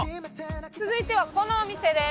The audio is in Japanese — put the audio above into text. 続いてはこのお店です。